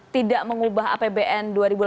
tidak mengubah apbn